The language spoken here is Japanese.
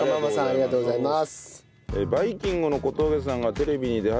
ありがとうございます。